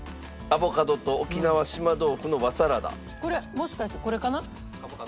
もしかしてこれかな？